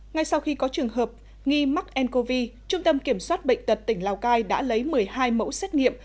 ngay sau khi có trường hợp nghi mắc ncov trung tâm kiểm soát bệnh tật tỉnh lào cai đã lấy một mươi hai mẫu xét nghiệm